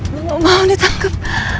gua gak mau ditangkep